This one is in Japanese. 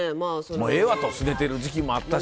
もうええわとすねてる時期もあったし。